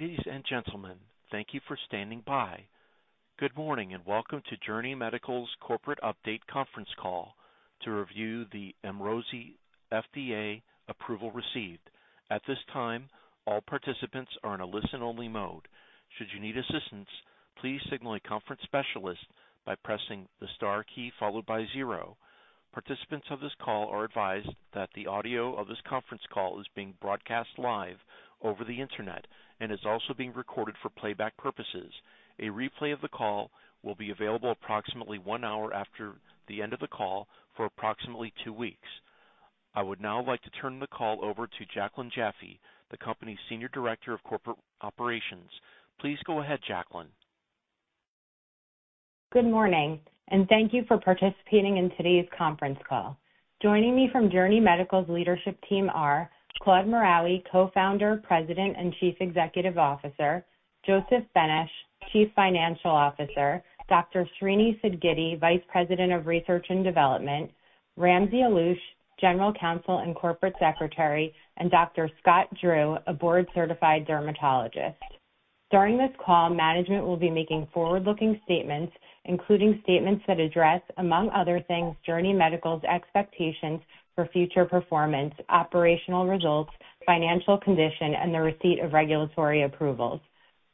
Ladies and gentlemen, thank you for standing by. Good morning and welcome to Journey Medical's corporate update conference call to review the Emrosi FDA approval received. At this time, all participants are in a listen-only mode. Should you need assistance, please signal a conference specialist by pressing the star key followed by zero. Participants of this call are advised that the audio of this conference call is being broadcast live over the internet and is also being recorded for playback purposes. A replay of the call will be available approximately one hour after the end of the call for approximately two weeks. I would now like to turn the call over to Jaclyn Jaffe, the company's Senior Director of Corporate Operations. Please go ahead, Jaclyn. Good morning, and thank you for participating in today's conference call. Joining me from Journey Medical's leadership team are Claude Maraoui, Co-founder, President, and Chief Executive Officer, Joseph Benesch, Chief Financial Officer, Dr. Srinivas Sidgiddi, Vice President of Research and Development, Ramsey Alloush, General Counsel and Corporate Secretary, and Dr. Scott Drew, a board-certified dermatologist. During this call, management will be making forward-looking statements, including statements that address, among other things, Journey Medical's expectations for future performance, operational results, financial condition, and the receipt of regulatory approvals.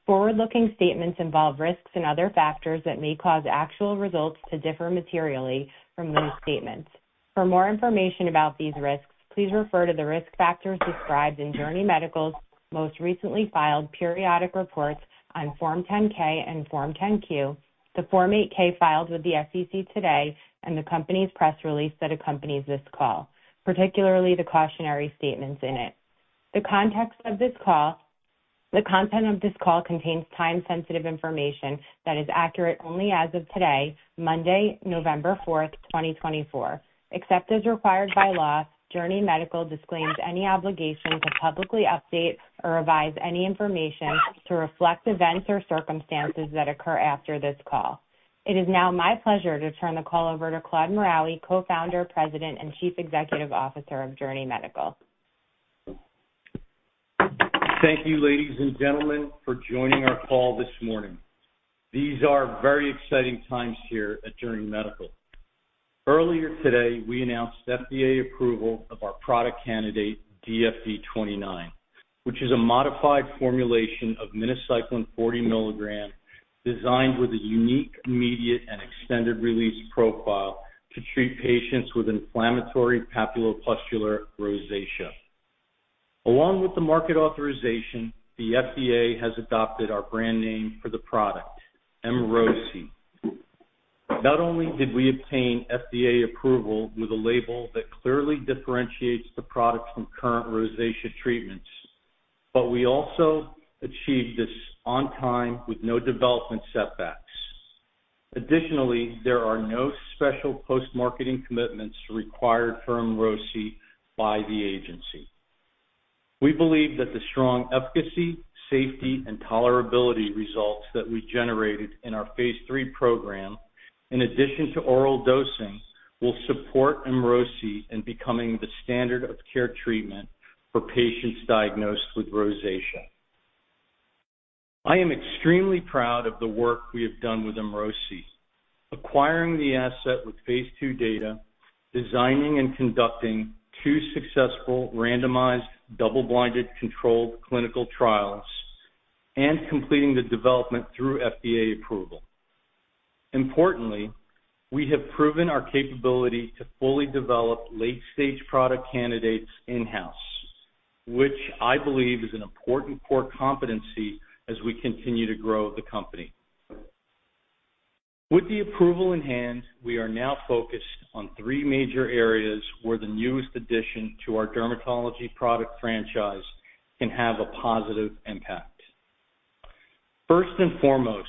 Forward-looking statements involve risks and other factors that may cause actual results to differ materially from those statements. For more information about these risks, please refer to the risk factors described in Journey Medical's most recently filed periodic reports on Form 10-K and Form 10-Q, the Form 8-K filed with the SEC today, and the company's press release that accompanies this call, particularly the cautionary statements in it. The content of this call contains time-sensitive information that is accurate only as of today, Monday, November 4th, 2024. Except as required by law, Journey Medical disclaims any obligation to publicly update or revise any information to reflect events or circumstances that occur after this call. It is now my pleasure to turn the call over to Claude Maraoui, Co-founder, President, and Chief Executive Officer of Journey Medical. Thank you, ladies and gentlemen, for joining our call this morning. These are very exciting times here at Journey Medical. Earlier today, we announced FDA approval of our product candidate, DFD-29, which is a modified formulation of minocycline 40 mg designed with a unique, immediate, and extended-release profile to treat patients with inflammatory papulopustular rosacea. Along with the market authorization, the FDA has adopted our brand name for the product, Emrosi. Not only did we obtain FDA approval with a label that clearly differentiates the product from current rosacea treatments, but we also achieved this on time with no development setbacks. Additionally, there are no special post-marketing commitments required for Emrosi by the agency. We believe that the strong efficacy, safety, and tolerability results that we generated in our phase III program, in addition to oral dosing, will support Emrosi in becoming the standard of care treatment for patients diagnosed with rosacea. I am extremely proud of the work we have done with Emrosi, acquiring the asset with phase II data, designing and conducting two successful randomized double-blinded controlled clinical trials, and completing the development through FDA approval. Importantly, we have proven our capability to fully develop late-stage product candidates in-house, which I believe is an important core competency as we continue to grow the company. With the approval in hand, we are now focused on three major areas where the newest addition to our dermatology product franchise can have a positive impact. First and foremost,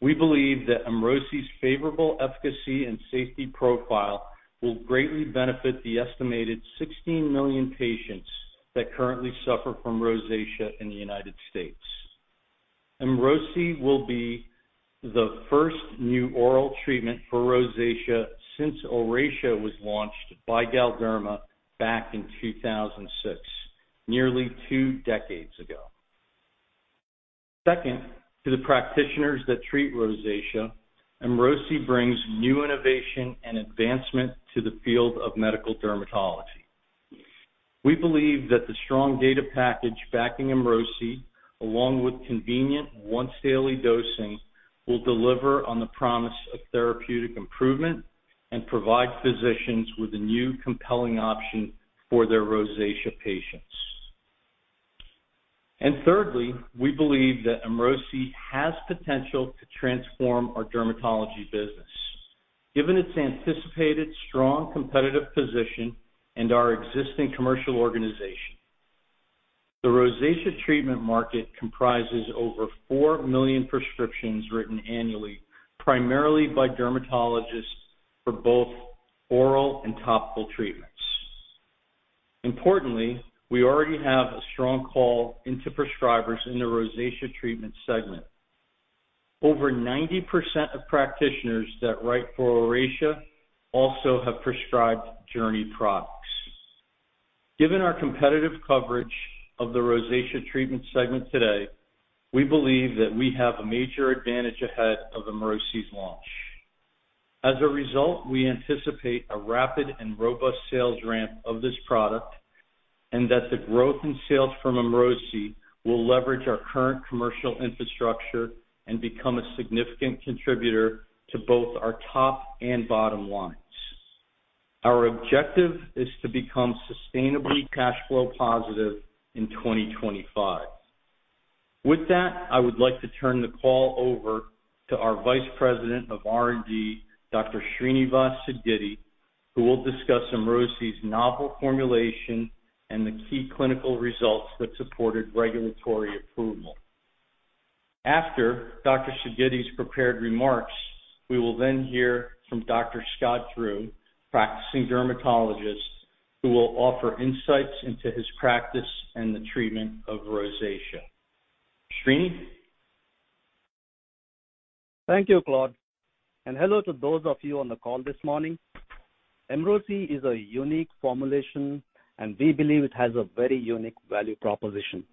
we believe that Emrosi's favorable efficacy and safety profile will greatly benefit the estimated 16 million patients that currently suffer from rosacea in the United States. Emrosi will be the first new oral treatment for rosacea since Oracea was launched by Galderma back in 2006, nearly two decades ago. Second, to the practitioners that treat rosacea, Emrosi brings new innovation and advancement to the field of medical dermatology. We believe that the strong data package backing Emrosi, along with convenient once-daily dosing, will deliver on the promise of therapeutic improvement and provide physicians with a new compelling option for their rosacea patients. And thirdly, we believe that Emrosi has potential to transform our dermatology business, given its anticipated strong competitive position and our existing commercial organization. The rosacea treatment market comprises over 4 million prescriptions written annually, primarily by dermatologists for both oral and topical treatments. Importantly, we already have a strong call into prescribers in the rosacea treatment segment. Over 90% of practitioners that write for Oracea also have prescribed Journey products. Given our competitive coverage of the rosacea treatment segment today, we believe that we have a major advantage ahead of Emrosi's launch. As a result, we anticipate a rapid and robust sales ramp of this product and that the growth in sales from Emrosi will leverage our current commercial infrastructure and become a significant contributor to both our top and bottom lines. Our objective is to become sustainably cash flow positive in 2025. With that, I would like to turn the call over to our Vice President of R&D, Dr. Srinivas Sidgiddi, who will discuss Emrosi's novel formulation and the key clinical results that supported regulatory approval. After Dr. Sidgiddi's prepared remarks, we will then hear from Dr. Scott Drew, a practicing dermatologist, who will offer insights into his practice and the treatment of rosacea. Srinivas? Thank you, Claude. And hello to those of you on the call this morning. Emrosi is a unique formulation, and we believe it has a very unique value proposition.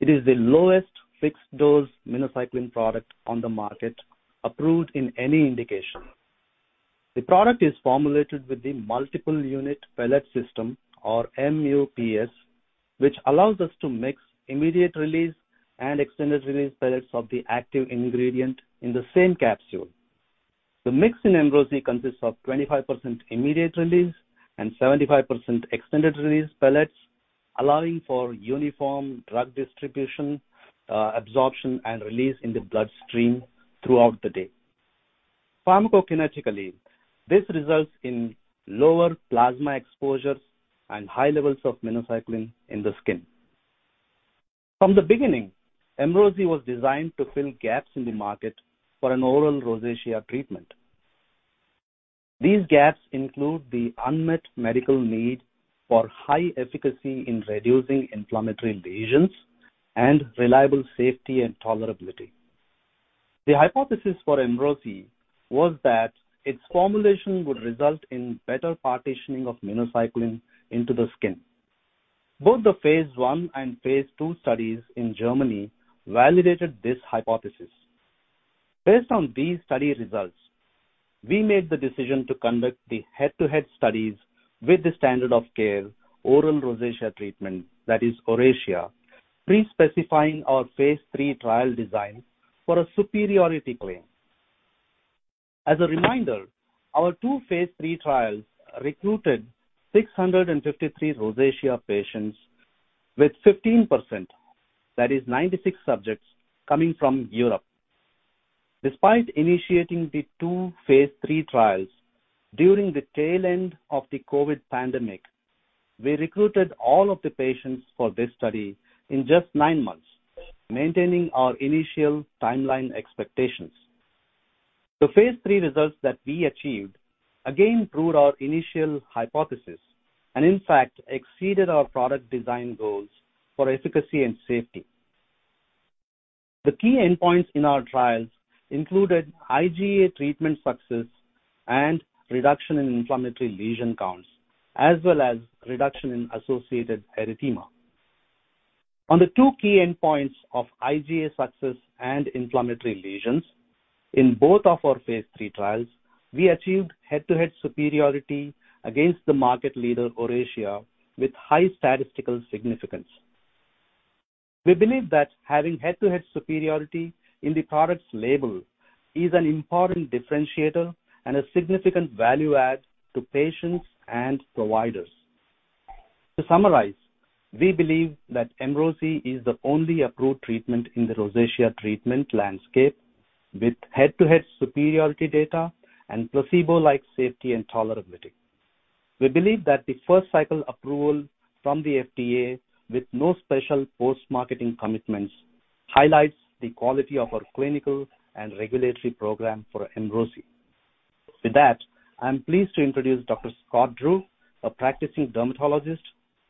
It is the lowest fixed-dose minocycline product on the market, approved in any indication. The product is formulated with the multiple unit pellet system, or MUPS, which allows us to mix immediate release and extended-release pellets of the active ingredient in the same capsule. The mix in Emrosi consists of 25% immediate-release and 75% extended-release pellets, allowing for uniform drug distribution, absorption, and release in the bloodstream throughout the day. Pharmacokinetically, this results in lower plasma exposures and high levels of minocycline in the skin. From the beginning, Emrosi was designed to fill gaps in the market for an oral rosacea treatment. These gaps include the unmet medical need for high efficacy in reducing inflammatory lesions and reliable safety and tolerability. The hypothesis for Emrosi was that its formulation would result in better partitioning of minocycline into the skin. Both the phase I and phase II studies in Germany validated this hypothesis. Based on these study results, we made the decision to conduct the head-to-head studies with the standard of care oral rosacea treatment, that is, Oracea, pre-specifying our phase III trial design for a superiority claim. As a reminder, our two phase III trials recruited 653 rosacea patients with 15%, that is, 96 subjects coming from Europe. Despite initiating the two phase III trials during the tail end of the COVID pandemic, we recruited all of the patients for this study in just nine months, maintaining our initial timeline expectations. The phase III results that we achieved again proved our initial hypothesis and, in fact, exceeded our product design goals for efficacy and safety. The key endpoints in our trials included IgA treatment success and reduction in inflammatory lesion counts, as well as reduction in associated erythema. On the two key endpoints of IgA success and inflammatory lesions, in both of our phase III trials, we achieved head-to-head superiority against the market leader, Oracea, with high statistical significance. We believe that having head-to-head superiority in the product's label is an important differentiator and a significant value add to patients and providers. To summarize, we believe that Emrosi is the only approved treatment in the rosacea treatment landscape with head-to-head superiority data and placebo-like safety and tolerability. We believe that the first cycle approval from the FDA, with no special post-marketing commitments, highlights the quality of our clinical and regulatory program for Emrosi. With that, I'm pleased to introduce Dr. Scott Drew, a practicing dermatologist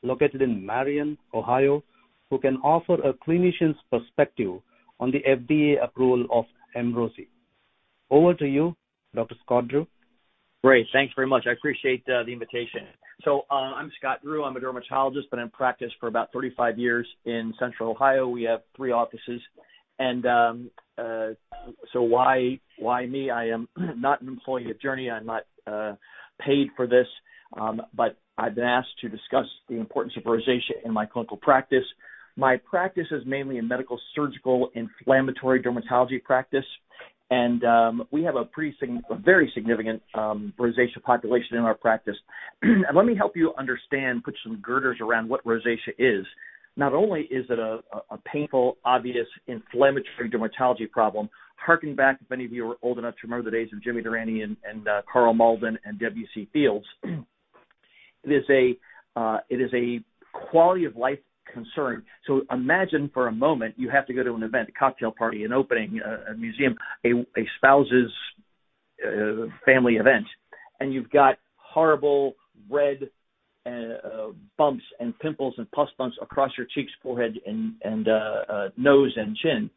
located in Marion, Ohio, who can offer a clinician's perspective on the FDA approval of Emrosi. Over to you, Dr. Scott Drew. Great. Thanks very much. I appreciate the invitation. So I'm Scott Drew. I'm a dermatologist, but I've practiced for about 35 years in Central Ohio. We have three offices. And so why me? I am not an employee of Journey. I'm not paid for this, but I've been asked to discuss the importance of rosacea in my clinical practice. My practice is mainly a medical surgical inflammatory dermatology practice, and we have a very significant rosacea population in our practice. And let me help you understand, put some girders around what rosacea is. Not only is it a painful, obvious inflammatory dermatology problem, harking back, if any of you are old enough to remember the days of Jimmy Durante and Karl Malden and W.C. Fields, it is a quality-of-life concern. So imagine for a moment you have to go to an event, a cocktail party, an opening, a museum, a spouse's family event, and you've got horrible red bumps and pimples and pus bumps across your cheeks, forehead, nose, and chin,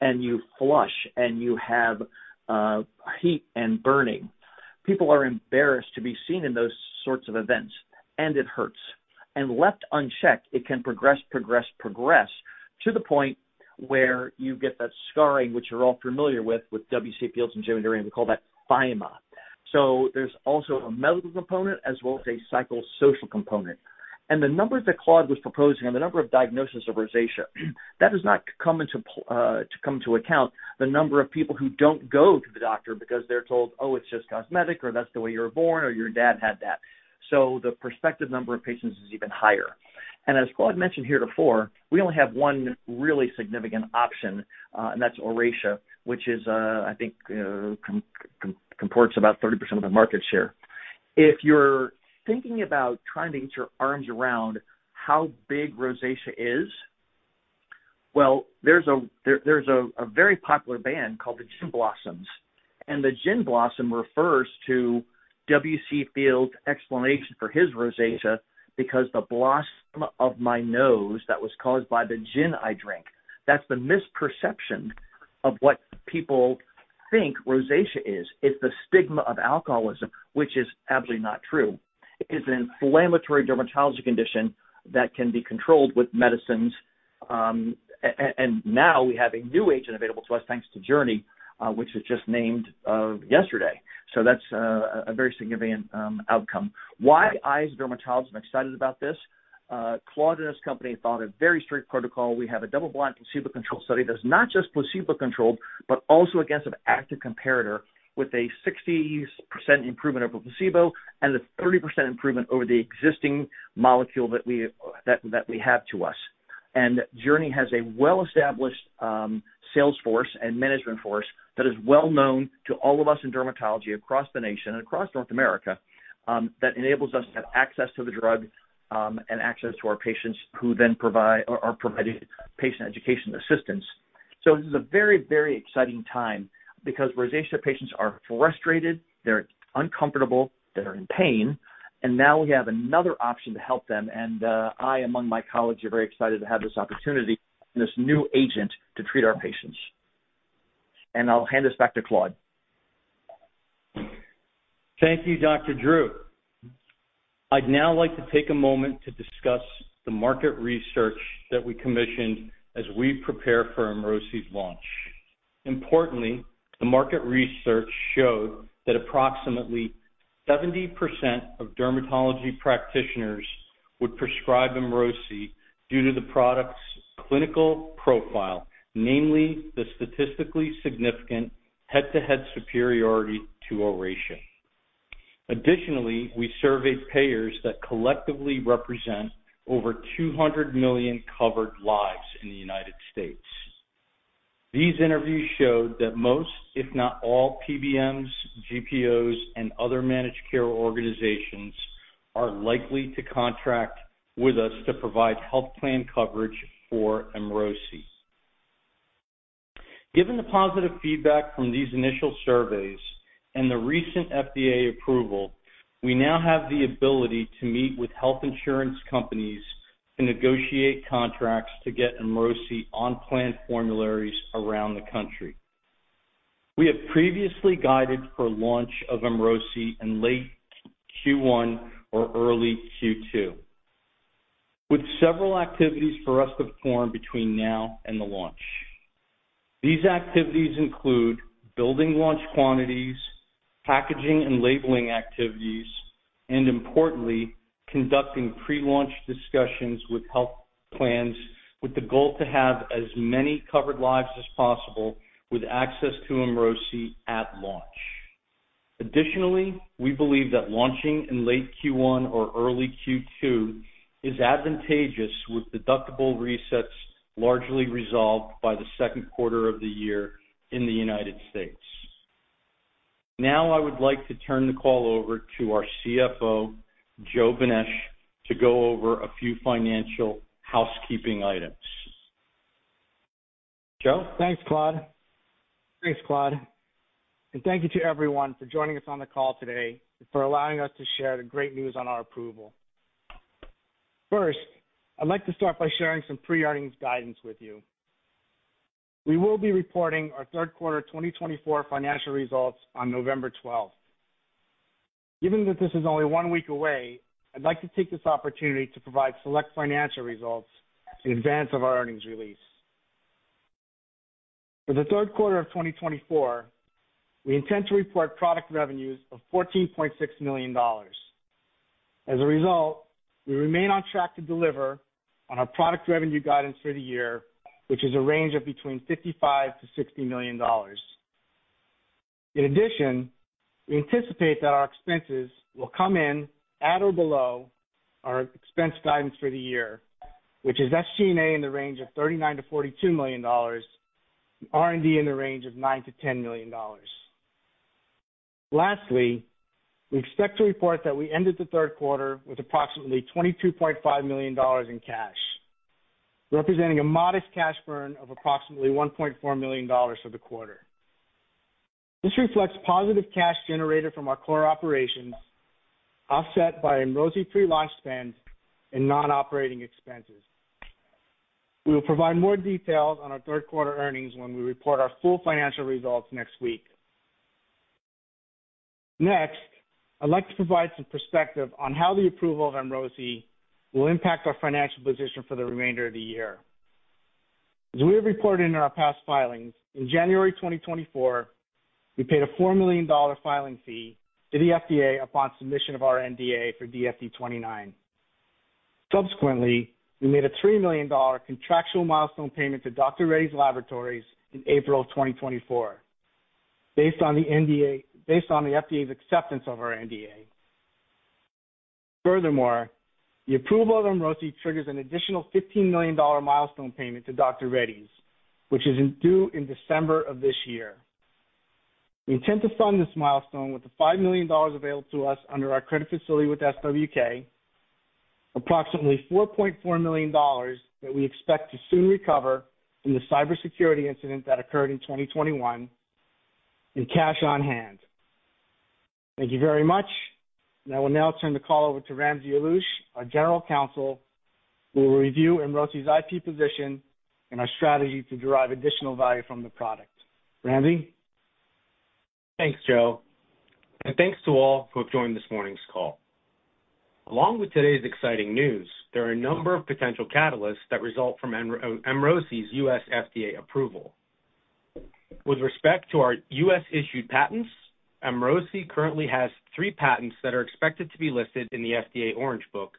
and you flush, and you have heat and burning. People are embarrassed to be seen in those sorts of events, and it hurts. And left unchecked, it can progress, progress, progress to the point where you get that scarring, which you're all familiar with, with W.C. Fields and Jimmy Durante. We call that phyma. So there's also a medical component as well as a psychosocial component. The number that Claude was proposing on the number of diagnoses of rosacea does not take into account the number of people who don't go to the doctor because they're told, "Oh, it's just cosmetic," or, "That's the way you were born," or, "Your dad had that." The prospective number of patients is even higher. As Claude mentioned here before, we only have one really significant option, and that's Oracea, which I think commands about 30% of the market share. If you're thinking about trying to get your arms around how big rosacea is, well, there's a very popular band called the Gin Blossoms. The Gin Blossom refers to W.C. Fields's explanation for his rosacea because the "blossom of my nose that was caused by the gin I drank." That's the misperception of what people think rosacea is. It's the stigma of alcoholism, which is absolutely not true. It is an inflammatory dermatology condition that can be controlled with medicines, and now we have a new agent available to us thanks to Journey, which was just named yesterday, so that's a very significant outcome. Why I as a dermatologist am excited about this? Claude and his company followed a very strict protocol. We have a double-blind placebo-controlled study that's not just placebo-controlled, but also against an active comparator with a 60% improvement over placebo and a 30% improvement over the existing molecule that we have to use. And Journey has a well-established sales force and management force that is well-known to all of us in dermatology across the nation and across North America that enables us to have access to the drug and access to our patients who then are providing patient education assistance. So this is a very, very exciting time because rosacea patients are frustrated. They're uncomfortable. They're in pain. And now we have another option to help them. And I, among my colleagues, are very excited to have this opportunity and this new agent to treat our patients. And I'll hand this back to Claude. Thank you, Dr. Drew. I'd now like to take a moment to discuss the market research that we commissioned as we prepare for Emrosi's launch. Importantly, the market research showed that approximately 70% of dermatology practitioners would prescribe Emrosi due to the product's clinical profile, namely the statistically significant head-to-head superiority to Oracea. Additionally, we surveyed payers that collectively represent over 200 million covered lives in the United States. These interviews showed that most, if not all, PBMs, GPOs, and other managed care organizations are likely to contract with us to provide health plan coverage for Emrosi. Given the positive feedback from these initial surveys and the recent FDA approval, we now have the ability to meet with health insurance companies to negotiate contracts to get Emrosi on-plan formularies around the country. We have previously guided for launch of Emrosi in late Q1 or early Q2, with several activities for us to perform between now and the launch. These activities include building launch quantities, packaging and labeling activities, and, importantly, conducting pre-launch discussions with health plans with the goal to have as many covered lives as possible with access to Emrosi at launch. Additionally, we believe that launching in late Q1 or early Q2 is advantageous with deductible resets largely resolved by the second quarter of the year in the United States. Now I would like to turn the call over to our CFO, Joe Benesch, to go over a few financial housekeeping items. Joe? Thanks, Claude. And thank you to everyone for joining us on the call today and for allowing us to share the great news on our approval. First, I'd like to start by sharing some pre-earnings guidance with you. We will be reporting our third quarter 2024 financial results on November 12th. Given that this is only one week away, I'd like to take this opportunity to provide select financial results in advance of our earnings release. For the third quarter of 2024, we intend to report product revenues of $14.6 million. As a result, we remain on track to deliver on our product revenue guidance for the year, which is a range of between $55 million-$60 million. In addition, we anticipate that our expenses will come in at or below our expense guidance for the year, which is SG&A in the range of $39 million-$42 million, R&D in the range of $9 million-$10 million. Lastly, we expect to report that we ended the third quarter with approximately $22.5 million in cash, representing a modest cash burn of approximately $1.4 million for the quarter. This reflects positive cash generated from our core operations, offset by Emrosi pre-launch spend and non-operating expenses. We will provide more details on our third quarter earnings when we report our full financial results next week. Next, I'd like to provide some perspective on how the approval of Emrosi will impact our financial position for the remainder of the year. As we have reported in our past filings, in January 2024, we paid a $4 million filing fee to the FDA upon submission of our NDA for DFD-29. Subsequently, we made a $3 million contractual milestone payment to Dr. Reddy's Laboratories in April of 2024, based on the FDA's acceptance of our NDA. Furthermore, the approval of Emrosi triggers an additional $15 million milestone payment to Dr. Reddy's, which is due in December of this year. We intend to fund this milestone with the $5 million available to us under our credit facility with SWK, approximately $4.4 million that we expect to soon recover from the cybersecurity incident that occurred in 2021, and cash on hand. Thank you very much. And I will now turn the call over to Ramsey Alloush, our general counsel, who will review Emrosi's IP position and our strategy to derive additional value from the product. Ramsey? Thanks, Joe. And thanks to all who have joined this morning's call. Along with today's exciting news, there are a number of potential catalysts that result from Emrosi's U.S. FDA approval. With respect to our U.S.-issued patents, Emrosi currently has three patents that are expected to be listed in the FDA Orange Book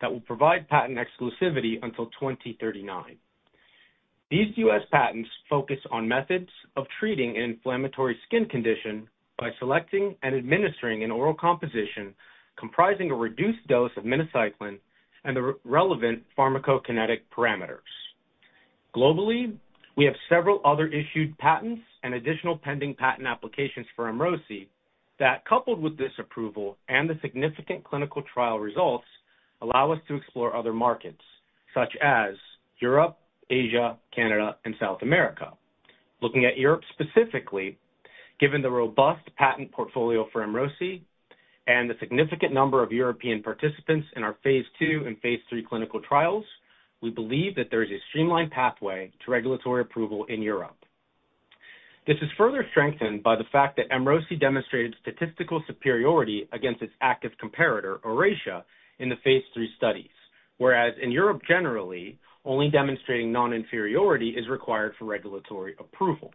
that will provide patent exclusivity until 2039. These U.S. patents focus on methods of treating an inflammatory skin condition by selecting and administering an oral composition comprising a reduced dose of minocycline and the relevant pharmacokinetic parameters. Globally, we have several other issued patents and additional pending patent applications for Emrosi that, coupled with this approval and the significant clinical trial results, allow us to explore other markets, such as Europe, Asia, Canada, and South America. Looking at Europe specifically, given the robust patent portfolio for Emrosi and the significant number of European participants in our phase II and phase III clinical trials, we believe that there is a streamlined pathway to regulatory approval in Europe. This is further strengthened by the fact that Emrosi demonstrated statistical superiority against its active comparator, Oracea, in the phase III studies, whereas in Europe generally, only demonstrating non-inferiority is required for regulatory approval.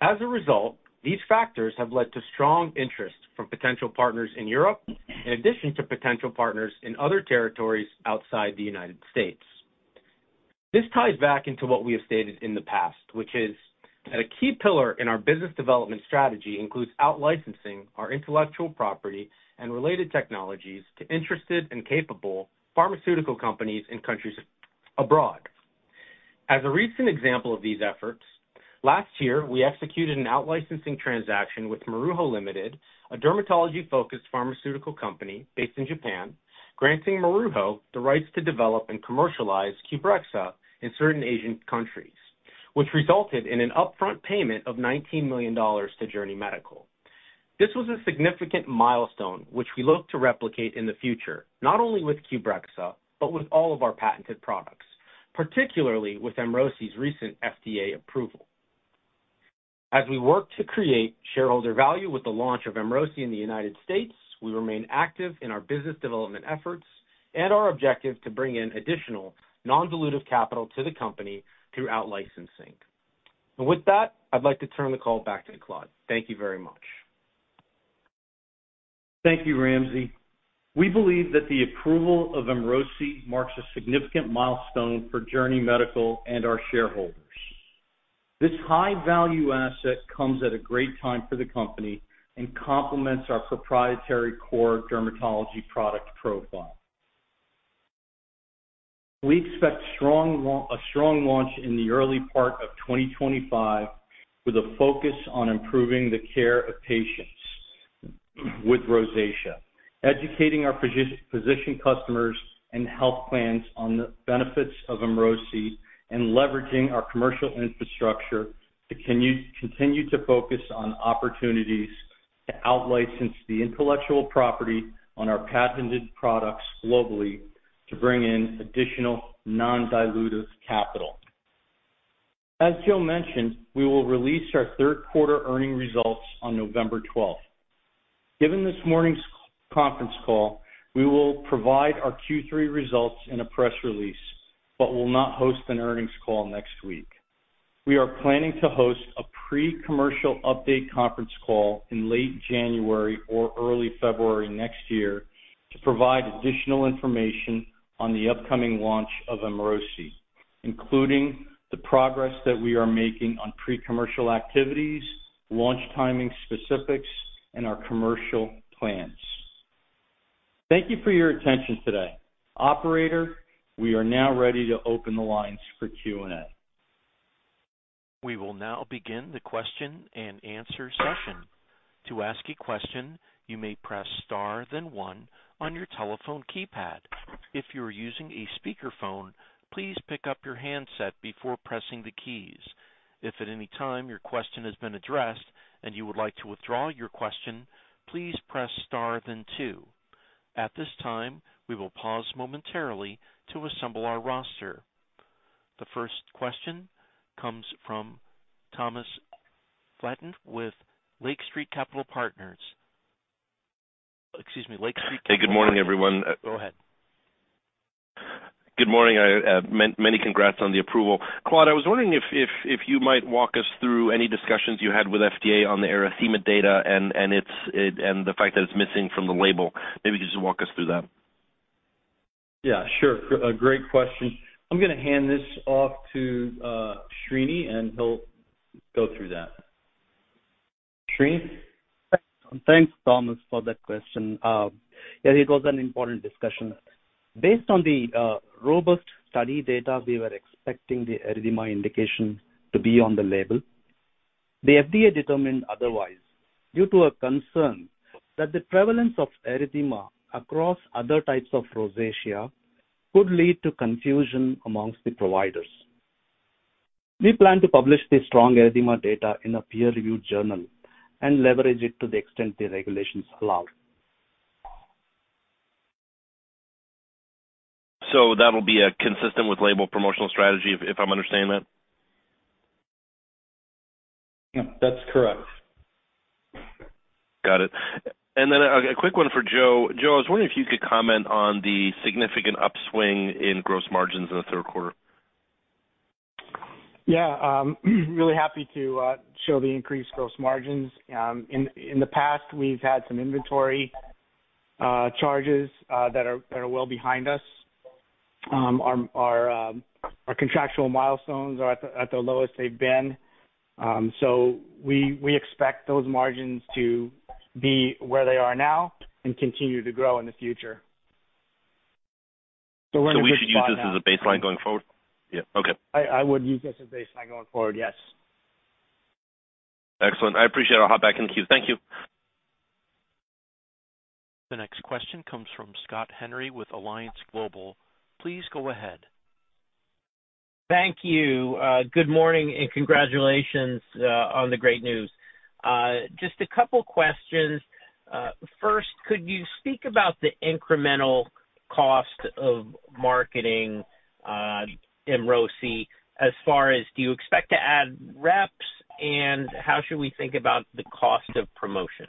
As a result, these factors have led to strong interest from potential partners in Europe, in addition to potential partners in other territories outside the United States. This ties back into what we have stated in the past, which is that a key pillar in our business development strategy includes outlicensing our intellectual property and related technologies to interested and capable pharmaceutical companies in countries abroad. As a recent example of these efforts, last year, we executed an outlicensing transaction with Maruho Limited, a dermatology-focused pharmaceutical company based in Japan, granting Maruho the rights to develop and commercialize Qbrexza in certain Asian countries, which resulted in an upfront payment of $19 million to Journey Medical. This was a significant milestone which we look to replicate in the future, not only with Qbrexza, but with all of our patented products, particularly with Emrosi's recent FDA approval. As we work to create shareholder value with the launch of Emrosi in the United States, we remain active in our business development efforts and our objective to bring in additional non-dilutive capital to the company through outlicensing. And with that, I'd like to turn the call back to Claude. Thank you very much. Thank you, Ramsey. We believe that the approval of Emrosi marks a significant milestone for Journey Medical and our shareholders. This high-value asset comes at a great time for the company and complements our proprietary core dermatology product profile. We expect a strong launch in the early part of 2025 with a focus on improving the care of patients with rosacea, educating our physician customers and health plans on the benefits of Emrosi, and leveraging our commercial infrastructure to continue to focus on opportunities to outlicense the intellectual property on our patented products globally to bring in additional non-dilutive capital. As Joe mentioned, we will release our third quarter earnings results on November 12th. Given this morning's conference call, we will provide our Q3 results in a press release, but will not host an earnings call next week. We are planning to host a pre-commercial update conference call in late January or early February next year to provide additional information on the upcoming launch of Emrosi, including the progress that we are making on pre-commercial activities, launch timing specifics, and our commercial plans. Thank you for your attention today. Operator, we are now ready to open the lines for Q&A. We will now begin the question and answer session. To ask a question, you may press star then one on your telephone keypad. If you are using a speakerphone, please pick up your handset before pressing the keys. If at any time your question has been addressed and you would like to withdraw your question, please press star then two. At this time, we will pause momentarily to assemble our roster. The first question comes from Thomas Flaten with Lake Street Capital Markets. Excuse me, Lake Street Capital. Hey, good morning, everyone. Go ahead. Good morning. Many congrats on the approval. Claude, I was wondering if you might walk us through any discussions you had with FDA on the erythema data and the fact that it's missing from the label. Maybe you could just walk us through that. Yeah, sure. Great question. I'm going to hand this off to Srini, and he'll go through that. Srini? Thanks, Thomas, for that question. Yeah, it was an important discussion. Based on the robust study data, we were expecting the erythema indication to be on the label. The FDA determined otherwise due to a concern that the prevalence of erythema across other types of rosacea could lead to confusion amongst the providers. We plan to publish the strong erythema data in a peer-reviewed journal and leverage it to the extent the regulations allow. So that'll be consistent with label promotional strategy, if I'm understanding that? Yeah, that's correct. Got it. And then a quick one for Joe. Joe, I was wondering if you could comment on the significant upswing in gross margins in the third quarter? Yeah, really happy to show the increased gross margins. In the past, we've had some inventory charges that are well behind us. Our contractual milestones are at the lowest they've been, so we expect those margins to be where they are now and continue to grow in the future. So we should use this as a baseline going forward? Yeah, okay. I would use this as a baseline going forward, yes. Excellent. I appreciate it. I'll hop back in with you. Thank you. The next question comes from Scott Henry with Alliance Global. Please go ahead. Thank you. Good morning and congratulations on the great news. Just a couple of questions. First, could you speak about the incremental cost of marketing Emrosi as far as do you expect to add reps, and how should we think about the cost of promotion?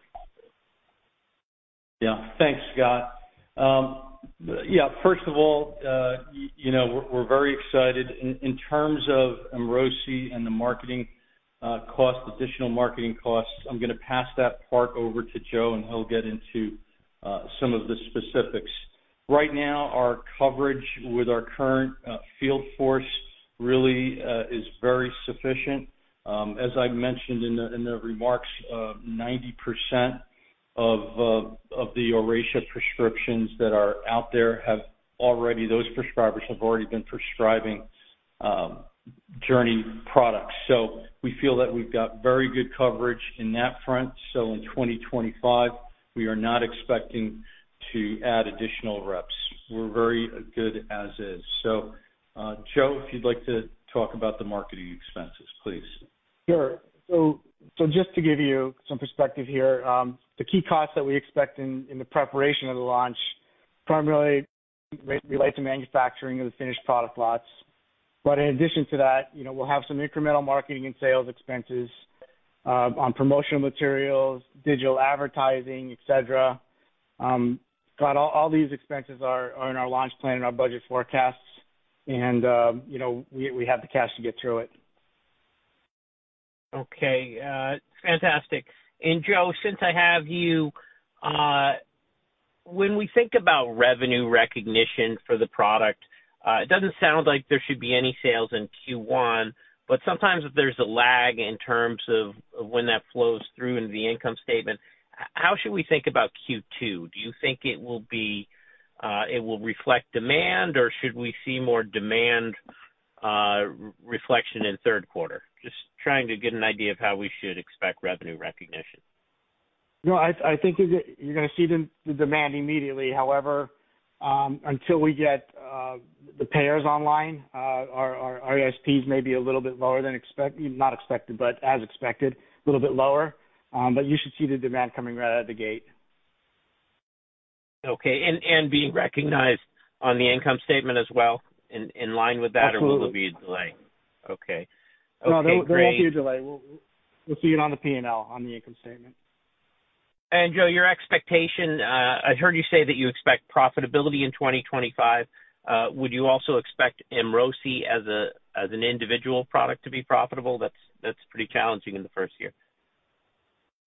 Yeah, thanks, Scott. Yeah, first of all, we're very excited. In terms of Emrosi and the marketing cost, additional marketing costs, I'm going to pass that part over to Joe, and he'll get into some of the specifics. Right now, our coverage with our current field force really is very sufficient. As I mentioned in the remarks, 90% of the Oracea prescriptions that are out there, those prescribers have already been prescribing Journey products. So we feel that we've got very good coverage in that front. So in 2025, we are not expecting to add additional reps. We're very good as is. So Joe, if you'd like to talk about the marketing expenses, please. Sure. So just to give you some perspective here, the key costs that we expect in the preparation of the launch primarily relate to manufacturing of the finished product lots. But in addition to that, we'll have some incremental marketing and sales expenses on promotional materials, digital advertising, etc. But all these expenses are in our launch plan and our budget forecasts, and we have the cash to get through it. Okay. Fantastic. And Joe, since I have you, when we think about revenue recognition for the product, it doesn't sound like there should be any sales in Q1, but sometimes if there's a lag in terms of when that flows through into the income statement, how should we think about Q2? Do you think it will reflect demand, or should we see more demand reflection in third quarter? Just trying to get an idea of how we should expect revenue recognition. No, I think you're going to see the demand immediately. However, until we get the payers online, our ESPs may be a little bit lower than expected, not expected, but as expected, a little bit lower. But you should see the demand coming right out of the gate. Okay. And being recognized on the income statement as well, in line with that, or will there be a delay? Absolutely. Okay. Okay. No, there won't be a delay. We'll see it on the P&L, on the income statement. Joe, your expectation, I heard you say that you expect profitability in 2025. Would you also expect Emrosi as an individual product to be profitable? That's pretty challenging in the first year.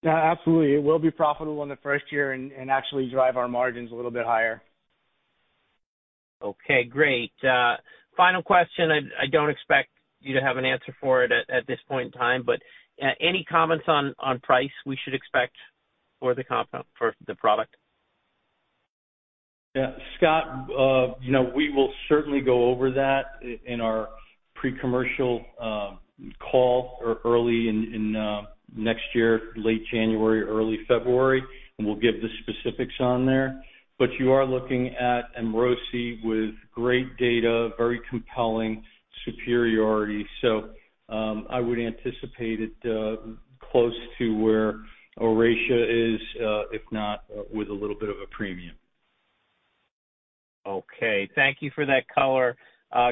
Yeah, absolutely. It will be profitable in the first year and actually drive our margins a little bit higher. Okay. Great. Final question. I don't expect you to have an answer for it at this point in time, but any comments on price we should expect for the product? Yeah. Scott, we will certainly go over that in our pre-commercial call early in next year, late January, early February, and we'll give the specifics on there. But you are looking at Emrosi with great data, very compelling superiority. So I would anticipate it close to where Oracea is, if not with a little bit of a premium. Okay. Thank you for that color.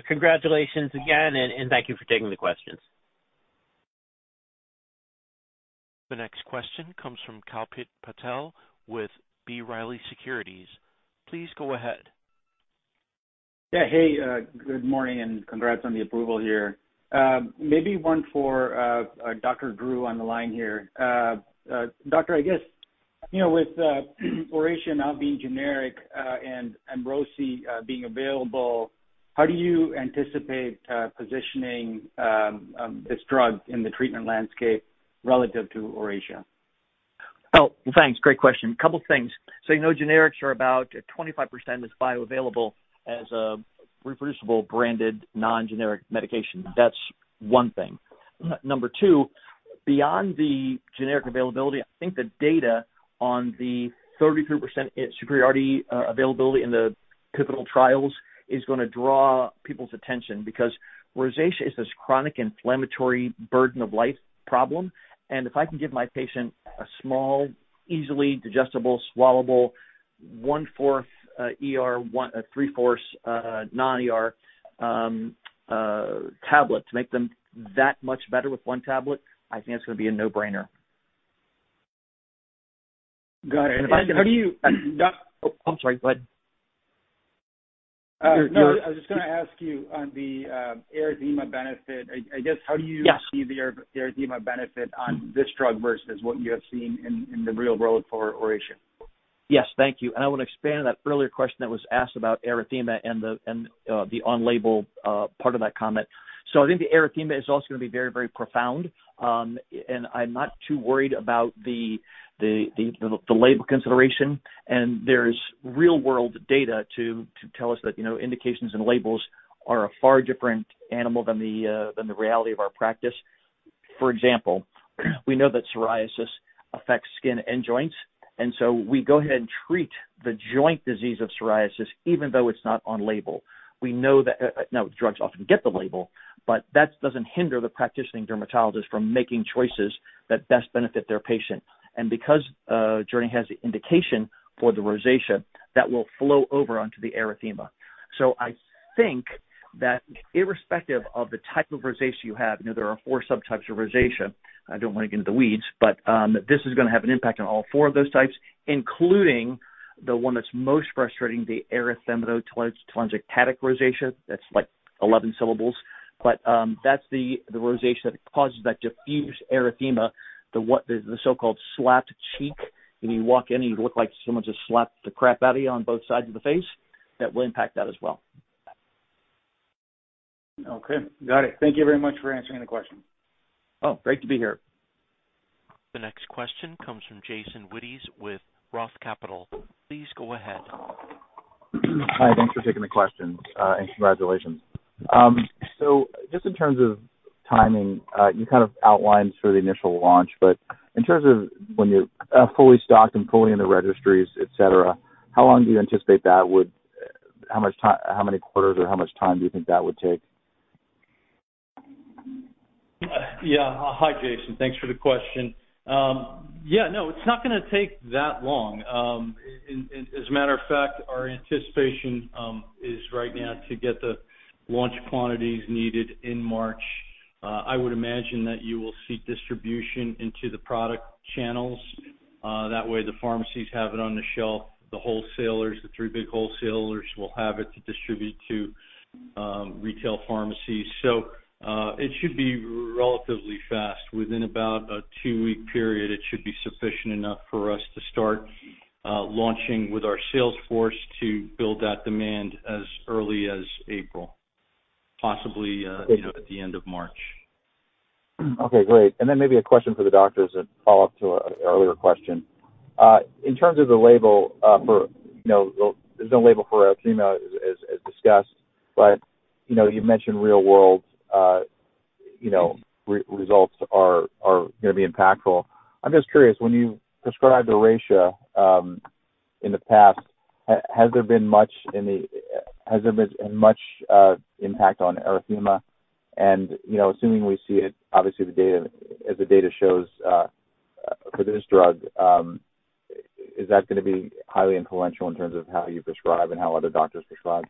Congratulations again, and thank you for taking the questions. The next question comes from Kalpit Patel with B. Riley Securities. Please go ahead. Yeah. Hey, good morning, and congrats on the approval here. Maybe one for Dr. Drew on the line here. Doctor, I guess with Oracea now being generic and Emrosi being available, how do you anticipate positioning this drug in the treatment landscape relative to Oracea? Oh, thanks. Great question. A couple of things. So generics are about 25% as bioavailable as a reproducible, branded, non-generic medication. That's one thing. Number two, beyond the generic availability, I think the data on the 33% superiority availability in the pivotal trials is going to draw people's attention because rosacea is this chronic inflammatory burden of life problem. And if I can give my patient a small, easily digestible, swallowable 1/4, 3/4 non-ER tablet to make them that much better with one tablet, I think it's going to be a no-brainer. Got it. And if I can. How do you? I'm sorry. Go ahead. I was just going to ask you on the erythema benefit. I guess, how do you see the erythema benefit on this drug versus what you have seen in the real world for Oracea? Yes, thank you. And I want to expand on that earlier question that was asked about erythema and the on-label part of that comment. So I think the erythema is also going to be very, very profound. And I'm not too worried about the label consideration. And there's real-world data to tell us that indications and labels are a far different animal than the reality of our practice. For example, we know that psoriasis affects skin and joints. And so we go ahead and treat the joint disease of psoriasis even though it's not on label. We know that now drugs often get the label, but that doesn't hinder the practicing dermatologist from making choices that best benefit their patient. And because Journey has the indication for the rosacea, that will flow over onto the erythema. I think that irrespective of the type of rosacea you have, there are four subtypes of rosacea. I don't want to get into the weeds, but this is going to have an impact on all four of those types, including the one that's most frustrating, the erythematotelangiectatic rosacea. That's like 11 syllables. That's the rosacea that causes that diffuse erythema, the so-called slapped cheek. If you walk in, you look like someone just slapped the crap out of you on both sides of the face. That will impact that as well. Okay. Got it. Thank you very much for answering the question. Oh, great to be here. The next question comes from Jason Wittes with Roth Capital. Please go ahead. Hi. Thanks for taking the question, and congratulations. So just in terms of timing, you kind of outlined for the initial launch, but in terms of when you're fully stocked and fully in the registries, etc., how long do you anticipate that would, how many quarters or how much time do you think that would take? Yeah. Hi, Jason. Thanks for the question. Yeah, no, it's not going to take that long. As a matter of fact, our anticipation is right now to get the launch quantities needed in March. I would imagine that you will see distribution into the product channels. That way, the pharmacies have it on the shelf. The wholesalers, the three big wholesalers, will have it to distribute to retail pharmacies. So it should be relatively fast. Within about a two-week period, it should be sufficient enough for us to start launching with our sales force to build that demand as early as April, possibly at the end of March. Okay. Great. And then maybe a question for the doctors that follow up to an earlier question. In terms of the label, there's no label for erythema as discussed, but you mentioned real-world results are going to be impactful. I'm just curious, when you prescribed Oracea in the past, has there been much impact on erythema? And assuming we see it, obviously, as the data shows for this drug, is that going to be highly influential in terms of how you prescribe and how other doctors prescribe?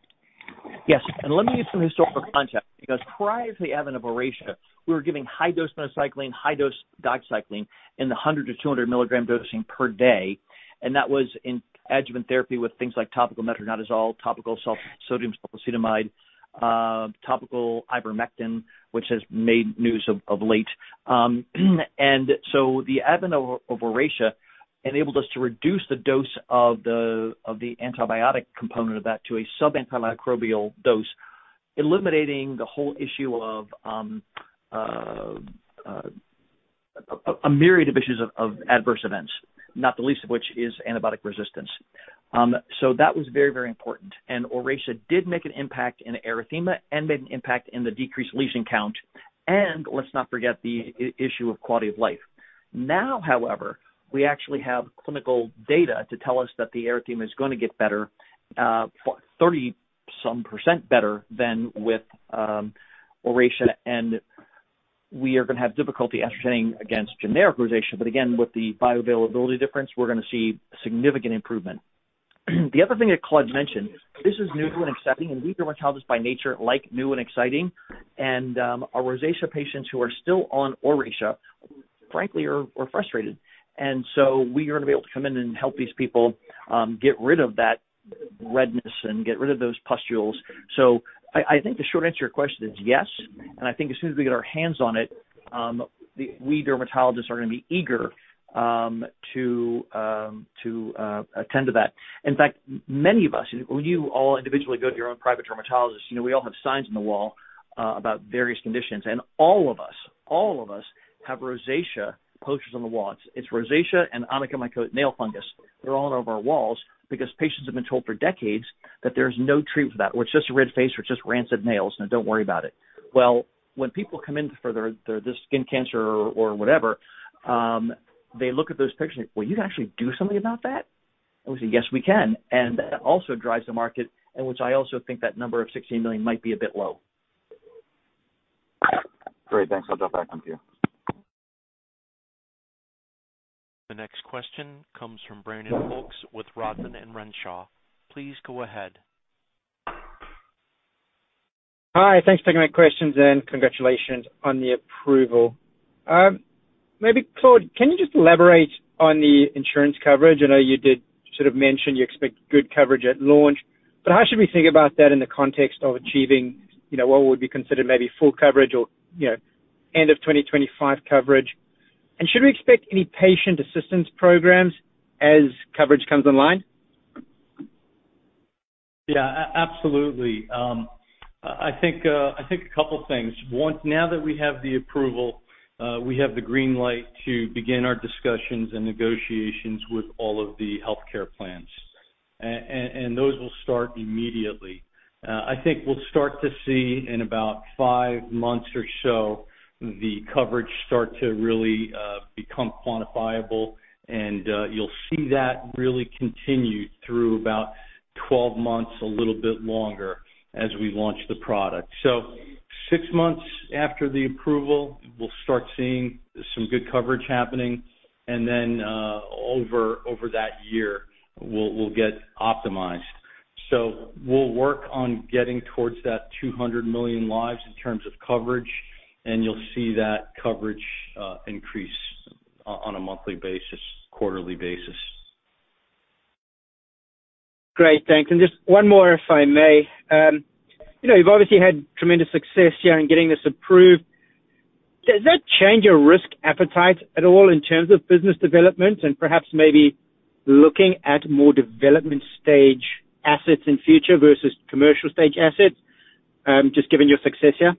Yes. And let me give some historical context because prior to the advent of Oracea, we were giving high-dose minocycline, high-dose doxycycline in the 100 mg-200 mg dosing per day. And that was in adjuvant therapy with things like topical metronidazole, topical sodium sulfacetamide, topical ivermectin, which has made news of late. And so the advent of Oracea enabled us to reduce the dose of the antibiotic component of that to a sub-antimicrobial dose, eliminating the whole issue of a myriad of issues of adverse events, not the least of which is antibiotic resistance. So that was very, very important. And Oracea did make an impact in erythema and made an impact in the decreased lesion count. And let's not forget the issue of quality of life. Now, however, we actually have clinical data to tell us that the erythema is going to get better, 30% better than with Oracea, and we are going to have difficulty ascertaining against generic Oracea, but again, with the bioavailability difference, we're going to see significant improvement. The other thing that Claude mentioned, this is new and exciting, and we dermatologists by nature like new and exciting, and our rosacea patients who are still on Oracea, frankly, are frustrated, and so we are going to be able to come in and help these people get rid of that redness and get rid of those pustules. So I think the short answer to your question is yes, and I think as soon as we get our hands on it, we dermatologists are going to be eager to attend to that. In fact, many of us, when you all individually go to your own private dermatologist, we all have signs on the wall about various conditions. All of us, all of us have rosacea posters on the wall. It's rosacea and onychomycosis, nail fungus. They're all over our walls because patients have been told for decades that there's no treatment for that. It's just a red face or it's just rancid nails. Now, don't worry about it. When people come in for their skin cancer or whatever, they look at those pictures and say, "Well, you can actually do something about that?" And we say, "Yes, we can." That also drives the market, in which I also think that number of 16 million might be a bit low. Great. Thanks. I'll jump back onto you. The next question comes from Brandon Folkes with Rodman and Renshaw. Please go ahead. Hi. Thanks for taking my questions and congratulations on the approval. Maybe Claude, can you just elaborate on the insurance coverage? I know you did sort of mention you expect good coverage at launch. But how should we think about that in the context of achieving what would be considered maybe full coverage or end of 2025 coverage? And should we expect any patient assistance programs as coverage comes online? Yeah, absolutely. I think a couple of things. Now that we have the approval, we have the green light to begin our discussions and negotiations with all of the healthcare plans. And those will start immediately. I think we'll start to see in about five months or so the coverage start to really become quantifiable. And you'll see that really continue through about 12 months, a little bit longer as we launch the product. So six months after the approval, we'll start seeing some good coverage happening. And then over that year, we'll get optimized. So we'll work on getting towards that 200 million lives in terms of coverage. And you'll see that coverage increase on a monthly basis, quarterly basis. Great. Thanks. And just one more, if I may. You've obviously had tremendous success here in getting this approved. Does that change your risk appetite at all in terms of business development and perhaps maybe looking at more development stage assets in future versus commercial stage assets, just given your success here?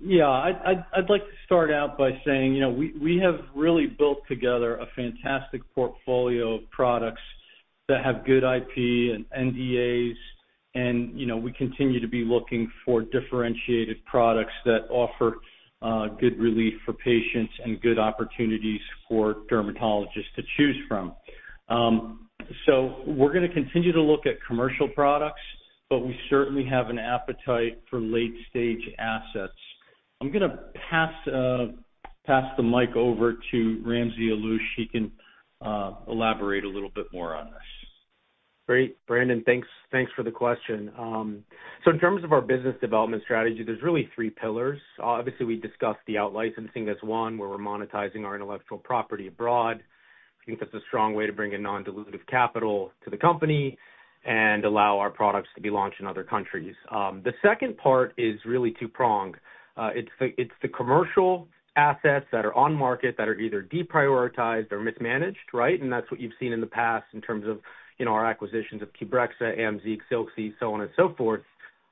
Yeah. I'd like to start out by saying we have really built together a fantastic portfolio of products that have good IP and NDAs, and we continue to be looking for differentiated products that offer good relief for patients and good opportunities for dermatologists to choose from. So, we're going to continue to look at commercial products, but we certainly have an appetite for late-stage assets. I'm going to pass the mic over to Ramsey Alloush. He can elaborate a little bit more on this. Great. Brandon, thanks for the question. So in terms of our business development strategy, there's really three pillars. Obviously, we discussed the out-licensing as one where we're monetizing our intellectual property abroad. I think that's a strong way to bring in non-dilutive capital to the company and allow our products to be launched in other countries. The second part is really two-pronged. It's the commercial assets that are on market that are either deprioritized or mismanaged, right? And that's what you've seen in the past in terms of our acquisitions of Qbrexza, Amzeeq, Zilxi, so on and so forth.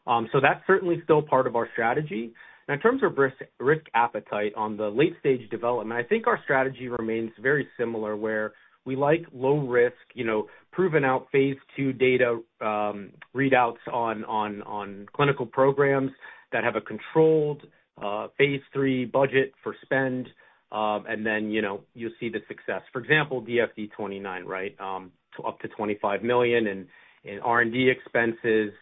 So that's certainly still part of our strategy. Now, in terms of risk appetite on the late-stage development, I think our strategy remains very similar where we like low-risk, proven-out phase II data readouts on clinical programs that have a controlled phase III budget for spend. Then you'll see the success. For example, DFD-29, right, up to $25 million in R&D expenses,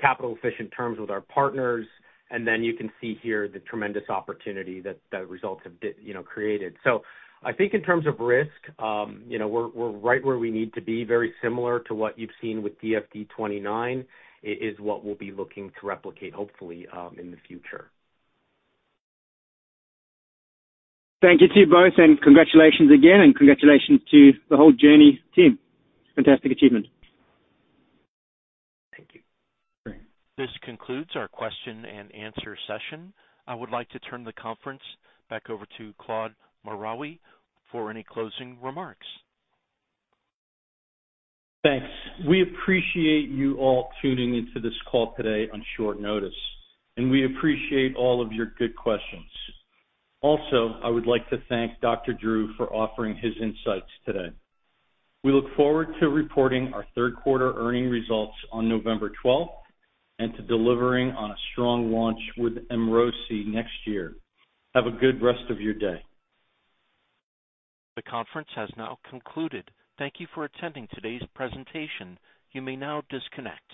capital-efficient terms with our partners. Then you can see here the tremendous opportunity that the results have created. I think in terms of risk, we're right where we need to be. Very similar to what you've seen with DFD-29 is what we'll be looking to replicate, hopefully, in the future. Thank you to you both. And congratulations again. And congratulations to the whole Journey team. Fantastic achievement. Thank you. This concludes our question and answer session. I would like to turn the conference back over to Claude Maraoui for any closing remarks. Thanks. We appreciate you all tuning into this call today on short notice. And we appreciate all of your good questions. Also, I would like to thank Dr. Drew for offering his insights today. We look forward to reporting our third-quarter earnings results on November 12th and to delivering on a strong launch with Emrosi next year. Have a good rest of your day. The conference has now concluded. Thank you for attending today's presentation. You may now disconnect.